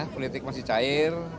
politik masih cair